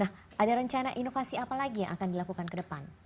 nah ada rencana inovasi apa lagi yang akan dilakukan ke depan